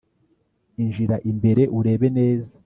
injira imbere urebe neza